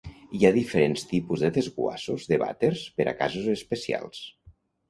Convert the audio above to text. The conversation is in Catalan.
Hi ha diferents tipus de Desguassos de vàters per a casos especials.